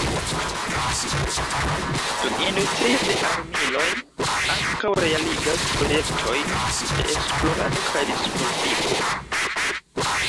La industrio de armiloj ankaŭ realigas projektojn de esplorado kaj disvolvigo.